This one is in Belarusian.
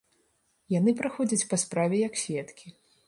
Яны праходзяць па справе як сведкі.